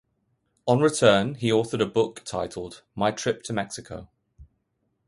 On return, he authored a book titled; "My Trip to Mexico".